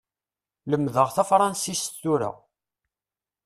Lemmdeɣ tafransist tura.